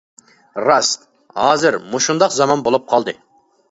راست، ھازىر مۇشۇنداق زامان بولۇپ قالدى.